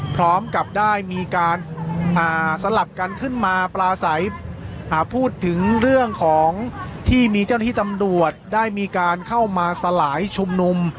พร้อมกับได้มีการสลับกันขึ้นมาปลาใสพูดถึงเรื่องของที่มีเจ้าหน้าที่ตำรวจได้มีการเข้ามาสลายชุมนุม